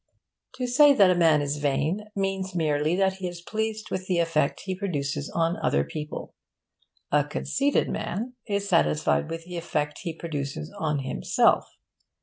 To say that a man is vain means merely that he is pleased with the effect he produces on other people. A conceited man is satisfied with the effect he produces on himself.